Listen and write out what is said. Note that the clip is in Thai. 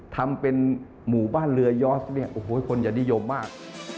ทำเป็นหมู่บ้านเรือยอสเนี่ยโอ้โหคนจะนิยมมาก